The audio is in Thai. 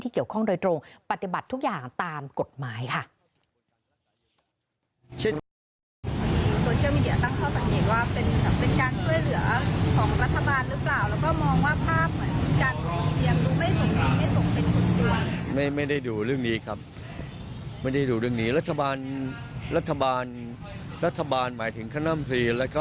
เกี่ยวข้องโดยตรงปฏิบัติทุกอย่างตามกฎหมายค่ะ